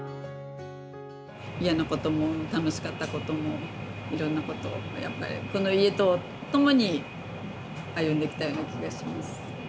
嫌なことも楽しかったこともいろんなことをこの家と共に歩んできたような気がします。